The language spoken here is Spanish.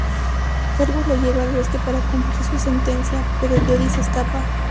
Fergus lo lleva al bosque para cumplir su sentencia, pero Jody se escapa.